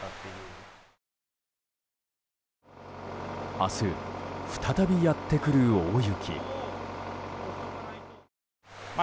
明日、再びやってくる大雪。